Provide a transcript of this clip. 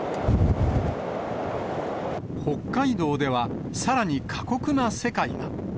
北海道では、さらに過酷な世界が。